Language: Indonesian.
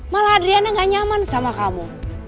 malah adriana gak nyaman sama kamu